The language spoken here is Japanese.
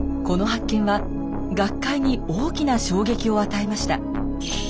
この発見は学会に大きな衝撃を与えました。